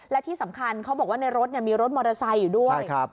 และที่สำคัญเขาบอกว่าในรถมีรถมอเตอร์ไซค์อยู่ด้วย